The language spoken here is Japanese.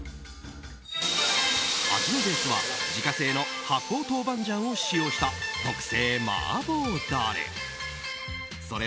味のベースは自家製の発酵豆板醤を使用した特製麻婆だれ。